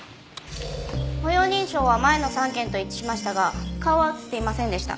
歩容認証は前の３件と一致しましたが顔は映っていませんでした。